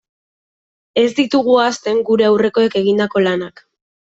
Ez ditugu ahazten gure aurrekoek egindako lanak.